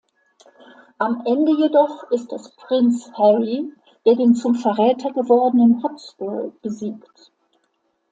Am Ende jedoch ist es Prinz Harry, der den zum Verräter gewordenen Hotspur besiegt.